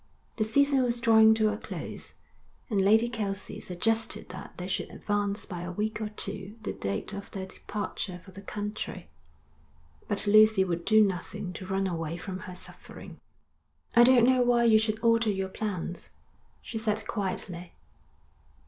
The season was drawing to a close, and Lady Kelsey suggested that they should advance by a week or two the date of their departure for the country; but Lucy would do nothing to run away from her suffering. 'I don't know why you should alter your plans,' she said quietly.